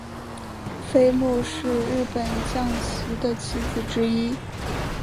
飞鹫是日本将棋的棋子之一。